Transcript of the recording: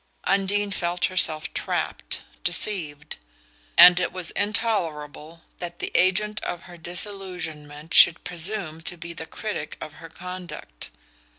Undine felt herself trapped, deceived; and it was intolerable that the agent of her disillusionment should presume to be the critic of her conduct.